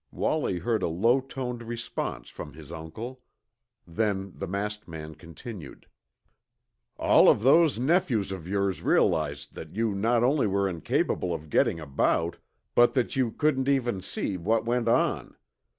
Wallie heard a low toned response from his uncle. Then the masked man continued. "All of those nephews of yours realized that you not only were incapable of getting about, but that you couldn't even see what went on.